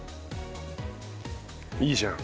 いいじゃん。